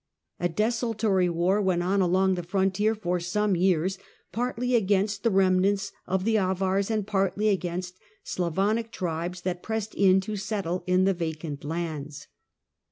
A desultory war went on along the frontier for some years, partly against the remnants of the Avars and partly against Slavonic tribes that pressed in to settle in the vacant lands.